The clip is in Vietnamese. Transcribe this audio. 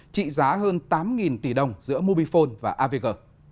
trị giá hơn tám tỷ đồng giữa mobifone và avg